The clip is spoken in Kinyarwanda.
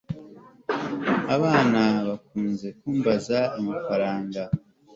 Abana bakunze kumbaza amafaranga